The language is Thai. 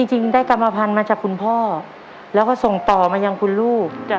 จริงได้กรรมพันธุ์มาจากคุณพ่อแล้วก็ส่งต่อมายังคุณลูก